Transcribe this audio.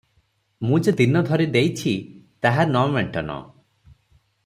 ମୁଁ ଯେ ଦିନ ଧରି ଦେଇଛି, ତାହା ନ ମେଣ୍ଟନ ।"